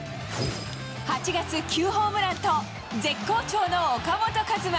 ８月９ホームランと、絶好調の岡本和真。